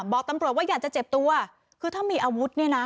บอกตำรวจว่าอยากจะเจ็บตัวคือถ้ามีอาวุธเนี่ยนะ